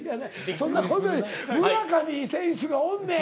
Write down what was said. そんな事より村上選手がおんねん。